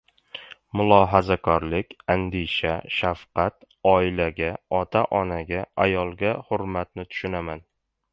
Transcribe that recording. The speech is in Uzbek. mulohazakorlik, andisha, shafqat, oilaga, ota-onaga, ayolga hurmatni tushunaman.